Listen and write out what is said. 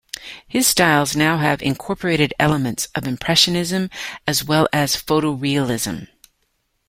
His styles now have incorporated elements of impressionism as well as photorealism.